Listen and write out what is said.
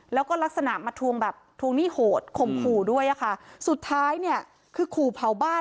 แล้วก็ลักษณะมาทวงแบบทวงหนี้โหดข่มขู่ด้วยอะค่ะสุดท้ายเนี่ยคือขู่เผาบ้าน